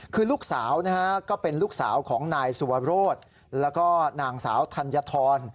คือลูกสาวนะฮะก็เป็นลูกสาวของนายสุวรสแล้วก็นางสาวธัญฑร